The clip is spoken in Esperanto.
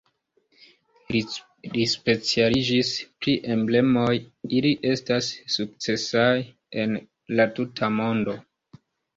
Li specialiĝis pri emblemoj, ili estas sukcesaj en la tuta mondo.